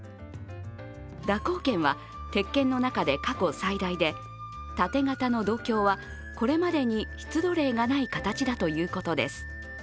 蛇行剣は鉄剣の中で過去最大で盾形の銅鏡はこれまでに出土例がない形だということです。